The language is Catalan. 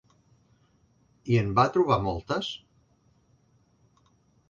I en va trobar moltes?